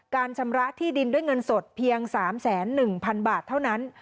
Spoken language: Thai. การชำระที่ดินด้วยเงินสดเพียงสามแสนหนึ่งพันบาทเท่านั้น